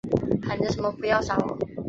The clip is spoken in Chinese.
喊着什么不要杀我